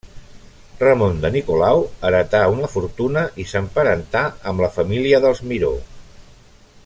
Ramon de Nicolau heretà una fortuna i s'emparentà amb la família dels Miró.